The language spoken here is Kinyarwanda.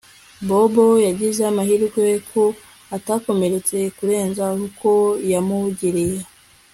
Bobo yagize amahirwe ko atakomeretse kurenza uko yamugiriye